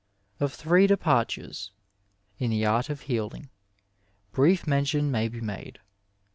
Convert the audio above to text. Of three departures in the art of healing, brief mention may be made.